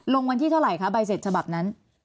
วันที่เท่าไหร่คะใบเสร็จฉบับนั้น